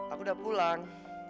aku udah pulang